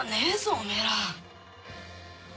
おめぇら。